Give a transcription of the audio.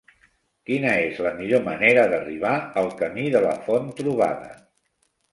Quina és la millor manera d'arribar al camí de la Font-trobada?